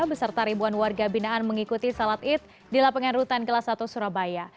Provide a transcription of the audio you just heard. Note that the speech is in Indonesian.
beserta ribuan warga binaan mengikuti salat id di lapangan rutan kelas satu surabaya